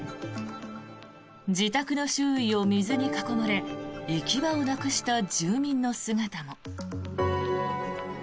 自宅の周囲を水に囲まれ行き場をなくした住民の姿も。